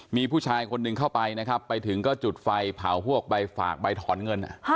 มีผู้ชายคนหนึ่งเข้าไปนะครับไปถึงก็จุดไฟเผาพวกใบฝากใบถอนเงิน